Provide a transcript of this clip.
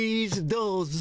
どうぞ。